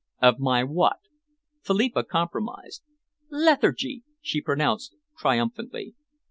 "Of my what?" Philippa compromised. "Lethargy," she pronounced triumphantly.